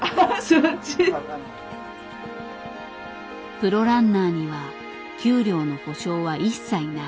プロランナーには給料の保証は一切ない。